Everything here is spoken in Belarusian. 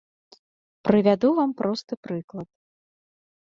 Прывяду вам просты прыклад.